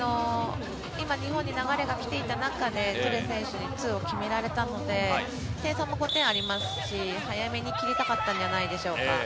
今、日本に流れが来ていた中で、トゥレ選手にツーを決められたので、点差も５点ありますし、早めに切りたかったんじゃないでしょうか。